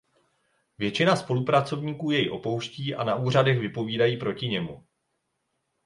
Většina spolupracovníků jej opouští a na úřadech vypovídají proti němu.